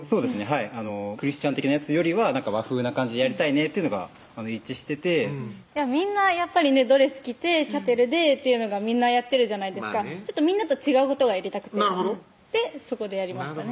はいクリスチャン的なやつよりは和風な感じでやりたいねというのが一致しててみんなやっぱりねドレス着てチャペルでっていうのがみんなやってるじゃないですかみんなと違うことがやりたくてなるほどでそこでやりましたね